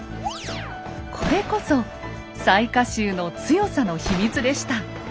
これこそ雑賀衆の強さの秘密でした。